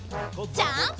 ジャンプ！